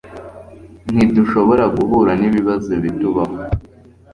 Ntidushobora guhura nibibazo bitubaho